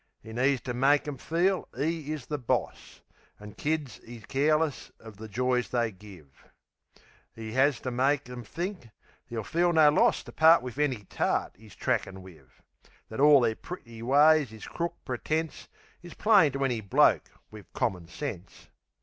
'E needs to make 'em feel 'e is the boss, An' kid 'e's careless uv the joys they give. 'E 'as to make 'em think 'e'll feel no loss To part wiv any tart 'e's trackin' wiv. That all their pretty ways is crook pretence Is plain to any bloke wiv common sense.